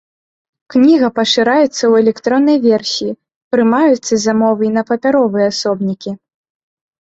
Кніга пашыраецца ў электроннай версіі, прымаюцца замовы і на папяровыя асобнікі.